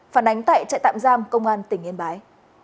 phản ánh tại trại tạm giam công an tỉnh yên bái